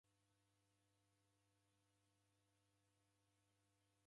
Ow'adwa ni w'ukongo ghuja m'baa.